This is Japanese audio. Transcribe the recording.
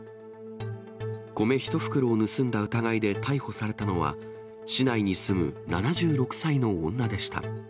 米１袋を盗んだ疑いで逮捕されたのは、市内に住む７６歳の女でした。